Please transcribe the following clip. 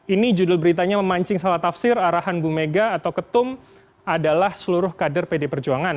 ini judul beritanya memancing salah tafsir arahan bu mega atau ketum adalah seluruh kader pd perjuangan